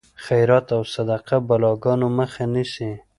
خیرات او صدقه د بلاګانو مخه نیسي.